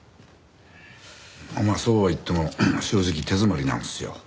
まあそうは言っても正直手詰まりなんですよ。